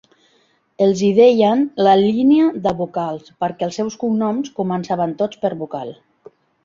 Els hi deien la "Línia de vocals" perquè els seus cognoms començaven tots per vocal.